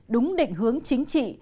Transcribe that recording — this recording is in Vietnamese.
đúng định hướng chính trị